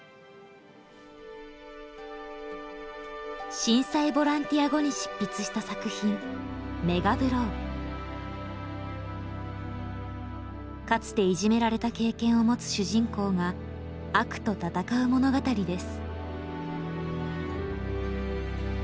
震災ボランティア後に執筆した作品かつていじめられた経験を持つ主人公が悪と戦う物語です。